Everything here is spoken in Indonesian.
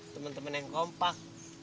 temen temen yang kompak